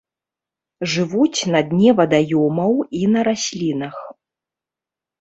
Жывуць на дне вадаёмаў і на раслінах.